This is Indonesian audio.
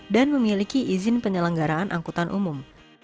dan memiliki izin penyelenggaraan angkutan umum